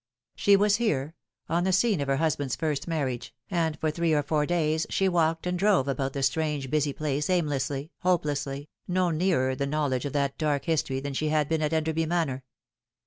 She was here, on the scene of her husband's first marriage, and for three or four days she walked and drove about the strange busy place aimlessly, hopelessly, no nearer the know ledge of that dark history than she had been at Enderby Manor.